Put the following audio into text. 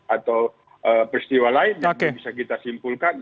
atau peristiwa lain yang bisa kita simpulkan